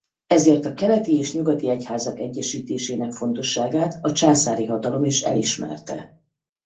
Ezért a keleti és nyugati egyházak egyesítésének fontosságát a császári hatalom is elismerte.